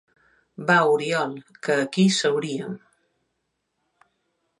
Va, Oriol, que aquí seuríem.